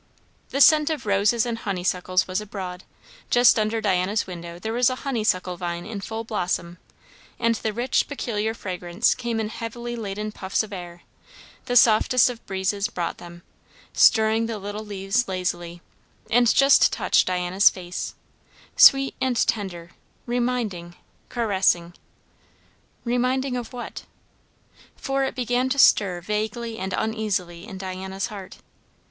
The scent of roses and honeysuckles was abroad; just under Diana's window there was a honeysuckle vine in full blossom, and the rich, peculiar fragrance came in heavily laden puffs of air; the softest of breezes brought them, stirring the little leaves lazily, and just touched Diana's face, sweet and tender, reminding, caressing. Reminding of what? For it began to stir vaguely and uneasily in Diana's heart.